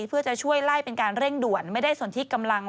เพื่อจะช่วยไล่เป็นการเร่งด่วน